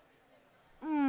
うん。